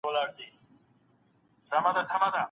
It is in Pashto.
مراقبه مو ذهن له منفي افکارو پاکوي.